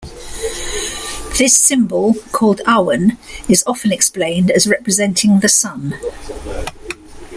This symbol, called "awen", is often explained as representing the sun.